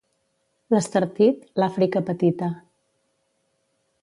L'Estartit, l'Àfrica petita.